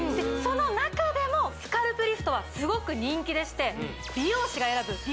その中でもスカルプリフトはすごく人気でして美容師が選ぶ